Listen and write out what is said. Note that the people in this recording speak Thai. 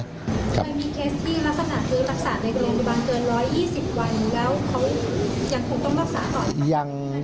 เมื่อมีเคสที่รักษาในกรุงบางเกิด๑๒๐วันแล้วเขายังคงต้องรักษาหรอ